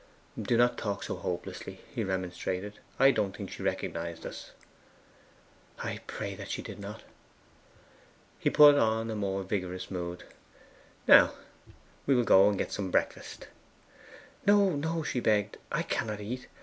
'Do not talk so hopelessly,' he remonstrated. 'I don't think she recognized us.' 'I pray that she did not.' He put on a more vigorous mood. 'Now, we will go and get some breakfast.' 'No, no!' she begged. 'I cannot eat.